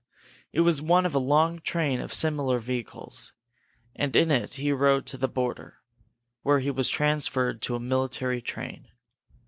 It was one of a long train of similar vehicles, and in it he rode to the border, where he was transferred to a military train.